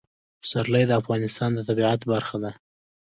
پسرلی د افغانستان د طبیعت برخه ده.